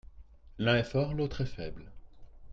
L'un est fort, l'autre est faible.